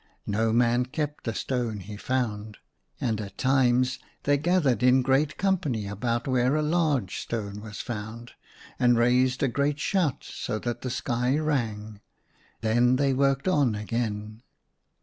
No man kept the stone he found. And at times they gathered in great company about when a large stone was found, and raised a great shout so that the sky rang ; then they worked on again.